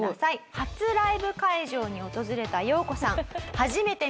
初ライブ会場に訪れたヨウコさん。